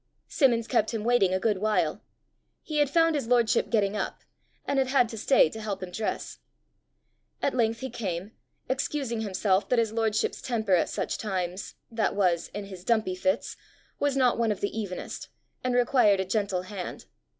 Simmons kept him waiting a good while. He had found his lordship getting up, and had had to stay to help him dress. At length he came, excusing himself that his lordship's temper at such times that was, in his dumpy fits was not of the evenest, and required a gentle hand.